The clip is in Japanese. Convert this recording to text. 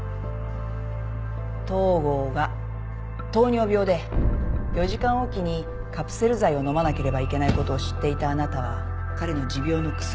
東郷が糖尿病で４時間置きにカプセル剤を飲まなければいけないことを知っていたあなたは彼の持病の薬と毒入り